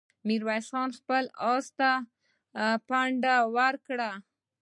ميرويس خان خپل آس ته پونده ورکړه.